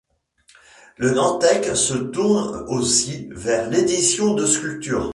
Le Nantec se tourne aussi vers l’édition de sculptures.